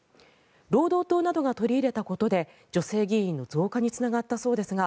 労働都などが取り入れたことで女性議員の増加につながったそうですが